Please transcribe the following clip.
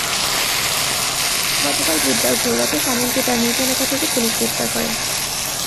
গতকাল বুধবার ভোর রাতে শামীমকে তাঁর নিজ এলাকা থেকে পুলিশ গ্রেপ্তার করে।